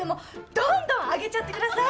どんどんあげちゃってください。